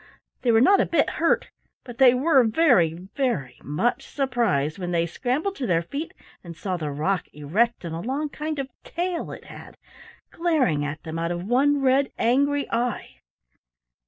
They were not a bit hurt, but they were very, very much surprised when they scrambled to their feet and saw the rock erect on a long kind of tail it had, glaring at them out of one red angry eye.